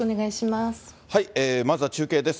まずは中継です。